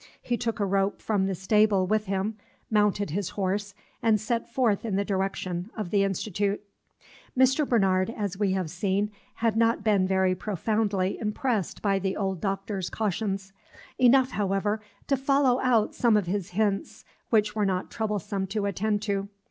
He took a rope from the stable with him, mounted his horse, and set forth in the direction of the Institute. Mr. Bernard, as we have seen, had not been very profoundly impressed by the old Doctor's cautions, enough, however, to follow out some of his hints which were not troublesome to attend to.